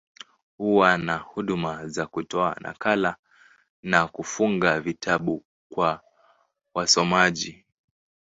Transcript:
Huwa na huduma za kutoa nakala, na kufunga vitabu kwa wasomaji.